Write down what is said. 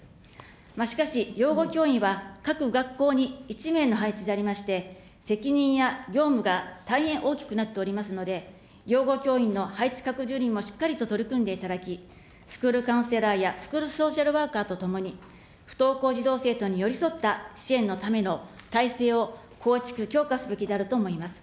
しかし、養護教員は各学校に１名の配置でありまして、責任や業務が大変大きくなっておりますので、養護教員の配置拡充にもしっかりと取り組んでいただき、スクールカウンセラーやスクールソーシャルワーカーとともに、不登校児童・生徒に寄り添った支援のための体制を構築、強化すべきだと思います。